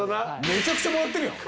めちゃくちゃもらってるやん！